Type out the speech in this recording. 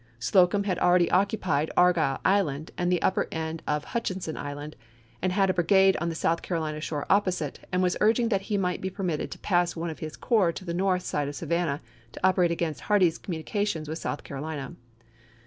Slocum had already occupied Argyle Island and the upper end of Hutchison Island, and had a brigade on the South Carolina shore opposite, and was urging that he might be permitted to pass one of his corps to the north side of the Savannah to operate against Hardee's communications with South Carolina.